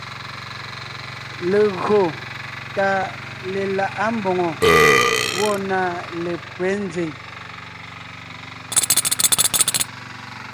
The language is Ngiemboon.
Legÿo tà lelaʼá mbòŋo gwɔ̂ na lépÿɛ́ nzẅìŋ.